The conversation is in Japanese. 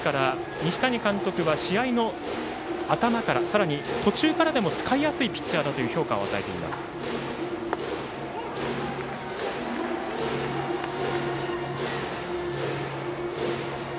西谷監督は試合の頭からさらに、途中からでも使いやすいピッチャーだという評価を与えています。